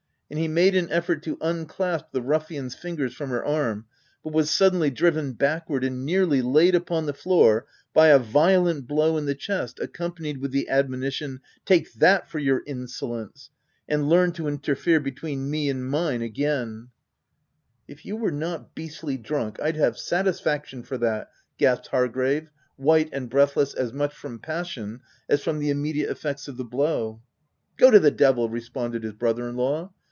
And he made an effort to un clasp the ruffian's fingers from her arm, but was suddenly driven backward and nearly laid upon the floor by a violent blow in the chest accompanied with the admonition, " Take that for your insolence !— and learn to interfere between me and mine again." OF WILDFELL HALL. 237 " If you were not beastly drunk, Pd have satisfaction for that!" gasped Hargrave, white and breathless as much from passion as from the immediate effects of the blow. " Go to the devil V 3 responded his brother in law.